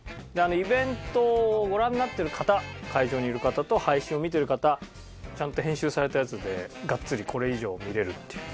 イベントをご覧になってる方会場にいる方と配信を見てる方ちゃんと編集されたやつでがっつりこれ以上見れるっていう。